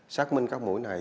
xác minh các mũi này